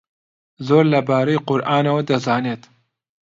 زۆر لەبارەی قورئانەوە دەزانێت.